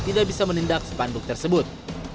tidak bisa menindak sepanduk tersebut